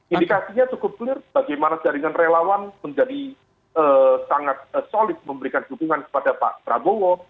indikasinya cukup clear bagaimana jaringan relawan menjadi sangat solid memberikan dukungan kepada pak prabowo